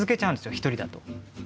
１人だと。